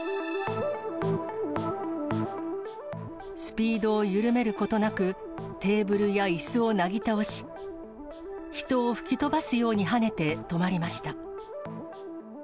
スピードを緩めることなく、テーブルやいすをなぎ倒し、人を吹き飛ばすようにはねて止まりました。